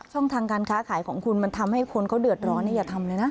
ช่องทางการค้าขายของคุณมันทำให้คนเขาเดือดร้อนอย่าทำเลยนะ